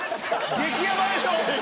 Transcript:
激ヤバでしょ。